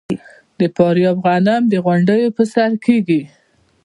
د فاریاب غنم د غونډیو په سر کیږي.